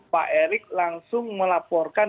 pak erick langsung melaporkan